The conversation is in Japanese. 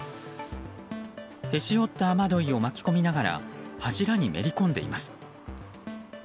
へし折った雨どいを巻き込みながら柱にめり込んでいます。